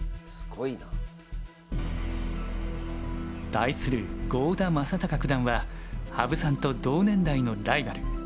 対する郷田真隆九段は羽生さんと同年代のライバル。